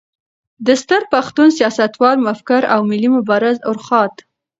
د ستر پښتون، سیاستوال، مفکر او ملي مبارز ارواښاد